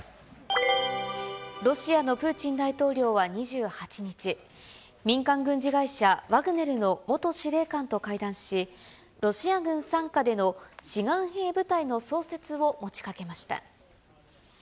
ロシアのプーチン大統領は２８日、民間軍事会社ワグネルの元司令官と会談し、ロシア軍傘下での志願兵部隊の創設を持ちかけました。